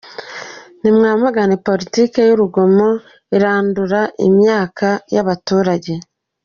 Ni mwamagane politike y’urugomo irandura imyaka y’abaturage.